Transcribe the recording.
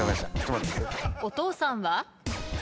お父さんは？